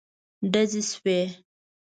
ډزې شوې.